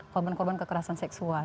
korban korban kekerasan seksual